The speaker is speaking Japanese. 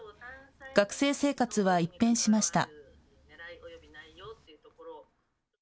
学生生活は一変しました。